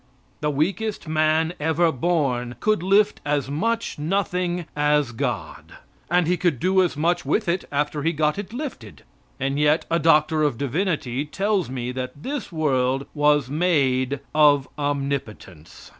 The weakest man ever born could lift as much nothing as God. And he could do as much with it after he got it lifted. And yet a doctor of divinity tells me that this world was made of omnipotence.